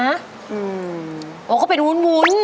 อืมโอ้โฮก็เป็นวุ้น